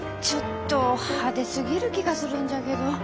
ちょっと派手すぎる気がするんじゃけど。